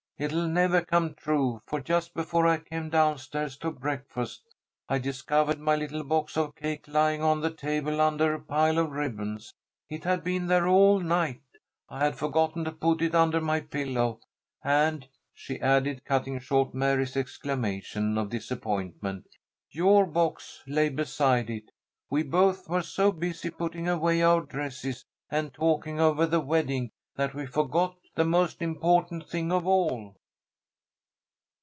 It'll never come true, for just before I came down stairs to breakfast I discovered my little box of cake lying on the table under a pile of ribbons. It had been there all night. I had forgotten to put it under my pillow. And," she added, cutting short Mary's exclamation of disappointment, "your box lay beside it. We both were so busy putting away our dresses, and talking over the wedding that we forgot the most important thing of all."